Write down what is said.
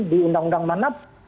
di undang undang mana